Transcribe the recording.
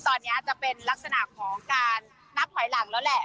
ตอนนี้จะเป็นลักษณะของการนับถอยหลังแล้วแหละ